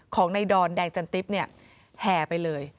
ของในดอนแดงจันทริปแห่ไปเลย